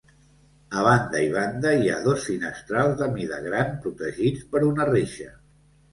A banda i banda hi ha dos finestrals de mida gran protegits per una reixa.